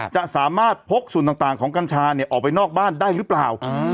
จะสามารถพกส่วนต่างของกัญชาออกไปนอกบ้านได้หรือเปล่า